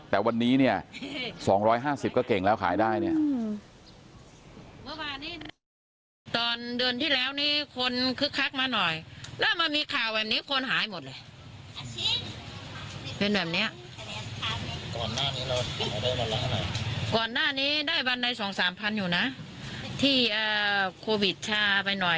แต่วันนี้เนี่ย๒๕๐ก็เก่งแล้วขายได้เนี่ย